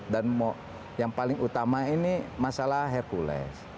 dan yang paling utama ini masalah hercules